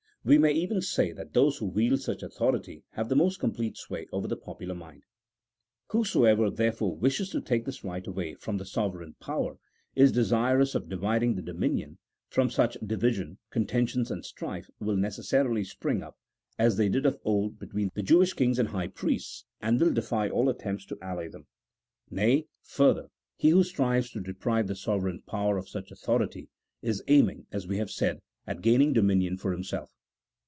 We may even say that those who wield such authority have the most complete sway over the popular mind. Whosoever, therefore, wishes to take this right away from the sovereign power, is desirous of dividing the do minion ; from such division, contentions, and strife will necessarily spring up, as they did of old between the Jewish kings and high priests, and will defy all attempts to allay them. Nay, further, he who strives to deprive the sove reign power of such authority, is aiming (as we have said), at gaining dominion for himself.